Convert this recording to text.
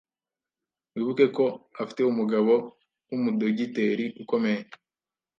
wibuke ko afite umugabo w’ umu Dogiteri ukomeye